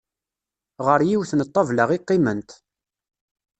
Ɣer yiwet n ṭṭabla i qqiment.